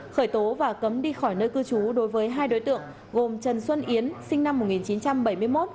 khởi tố và cấm đi khỏi nơi cư trú đối với hai đối tượng gồm trần xuân yến sinh năm một nghìn chín trăm bảy mươi một